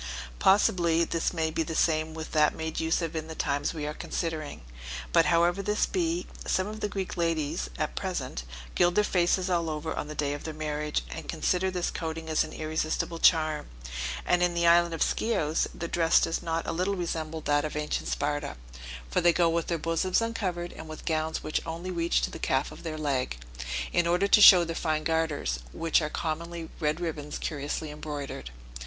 Possibly this may be the same with that made use of in the times we are considering; but however this be, some of the Greek ladies at present gild their faces all over on the day of their marriage, and consider this coating as an irresistible charm; and in the island of Scios, their dress does not a little resemble that of ancient Sparta, for they go with their bosoms uncovered, and with gowns which only reach to the calf of their leg, in order to show their fine garters, which are commonly red ribbons curiously embroidered.